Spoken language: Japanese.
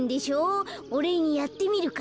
おれいにやってみるから。